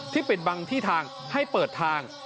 ปิดบังที่ทางให้เปิดทาง